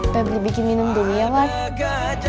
peblis bikin minum dulu ya ward